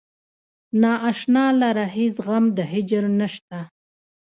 نا اشنا لره هیڅ غم د هجر نشته.